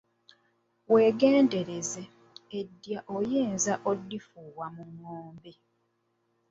Weegendereze, eddya oyinza okulifuwa mu ngombe.